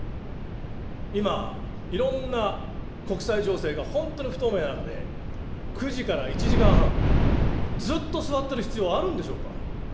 今、いろんな国際情勢が本当に不透明な中で、９時から１時間半、ずっと座っている必要があるんでしょうか。